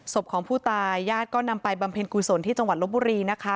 ศพของผู้ตายญาติก็นำไปบำเพ็ญกุศลที่จังหวัดลบบุรีนะคะ